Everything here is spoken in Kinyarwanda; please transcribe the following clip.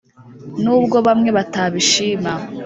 Nubwo bamwe batabishima